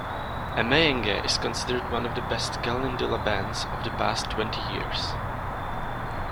Amayenge is considered one of the best kalindula bands of the past twenty years.